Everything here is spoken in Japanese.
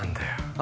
あ